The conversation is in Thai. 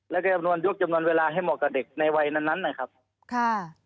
แล้วก็จำนวนยกจำนวนเวลาให้เหมาะกับเด็กในวัยนั้นนั้นนะครับค่ะ